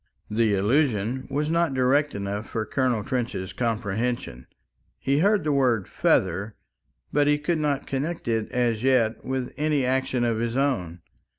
The allusion was not direct enough for Colonel Trench's comprehension. He heard the word "feather," but he could not connect it as yet with any action of his own.